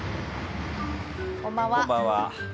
こんばんは。